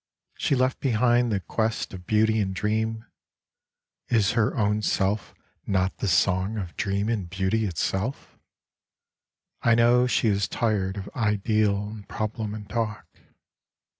She left behind the quest of beauty and dream ; Is her own self not the song of dream and beauty itself? (I know she is tired of ideal and problem and talk.)